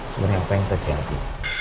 sebenernya apa yang terjadi